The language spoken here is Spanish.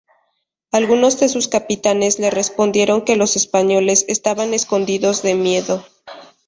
Algunos de sus capitanes le respondieron que los españoles estaban escondidos de miedo.